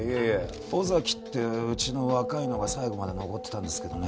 尾崎ってうちの若いのが最後まで残ってたんですけどね